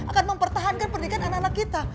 akan mempertahankan pernikahan anak anak kita